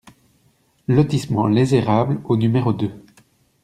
Lotissement Les Érables au numéro deux